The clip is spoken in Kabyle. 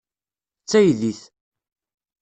D taydit.